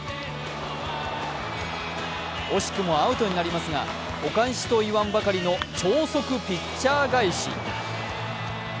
惜しくもアウトになりますがお返しといわんばかりの超速ピッチャー返し。